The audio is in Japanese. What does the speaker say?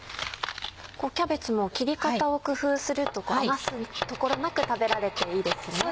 キャベツも切り方を工夫すると余すところなく食べられていいですね。